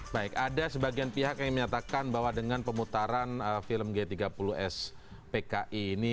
baik ada sebagian pihak yang menyatakan bahwa dengan pemutaran film g tiga puluh spki ini